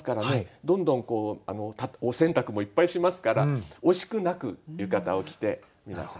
どんどんお洗濯もいっぱいしますから惜しくなく浴衣を着て皆さん。